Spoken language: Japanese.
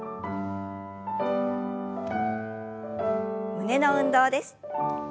胸の運動です。